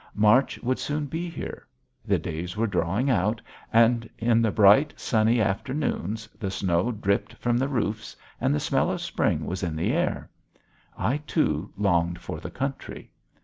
March would soon be here. The days were drawing out, and in the bright sunny afternoons the snow dripped from the roofs, and the smell of spring was in the air. I too longed for the country.